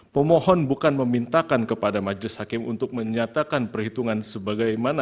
pemohon bukan memintakan kepada majes hakim untuk menyatakan perhitungan sebagai menurutnya